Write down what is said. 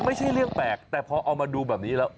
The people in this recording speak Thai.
ไม่ใช่เรื่องแปลกแต่พอเอามาดูแบบนี้แล้ว